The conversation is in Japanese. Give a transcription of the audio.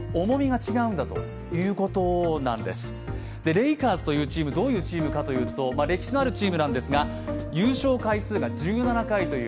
レイカーズというチームどういうチームかというと歴史のあるチームなんですが、優勝回数が１７回という